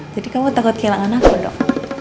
jadi kamu takut kehilangan aku dong